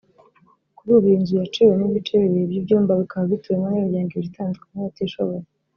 Kuri ubu iyi nzu yaciwemo ibice bibiri by’ibyumba bikaba bituwemo n’imiryango ibiri itandukanye y’abatishoboye